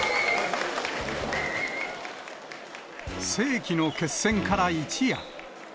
世紀の決戦から一夜。